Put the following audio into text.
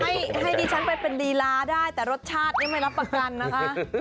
ให้ให้ดิฉันไปเป็นลีลาได้แต่รสชาตินี่ไม่รับประกันนะคะ